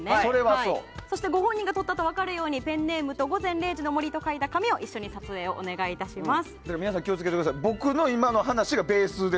そしてご本人が撮ったように「ペンネームと午前０時の森」と書いた紙を一緒に撮影をお願いします。